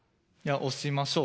押しましょう。